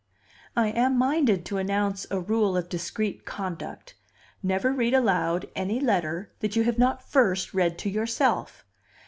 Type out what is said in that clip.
I am minded to announce a rule of discreet conduct: Never read aloud any letter that you have not first read to yourself.